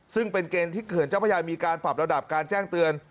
ซึ่งเป็นเกณฑ์ที่เขื่อนกับจักรพญาติมีการปรับระดับจ้างเตือน